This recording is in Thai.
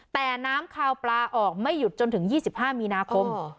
แต่น้ำคาวปลาออกไม่หยุดจนถึง๒๕มีนาคม